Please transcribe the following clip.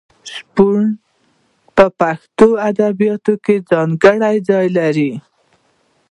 شپون په پښتو ادبیاتو کې ځانګړی ځای لري.